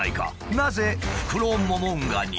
なぜフクロモモンガに？